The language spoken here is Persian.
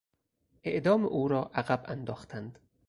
اعدام او را عقب انداختند.